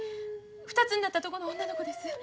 ２つになったとこの女の子です。